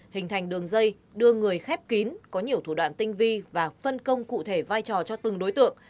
hình thành đường dây đưa người khép kín có nhiều thủ đoạn tinh vi và phân công cụ thể vai trò cho từng đối tượng